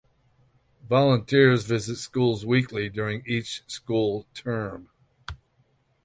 Volunteers visit schools weekly during each school term.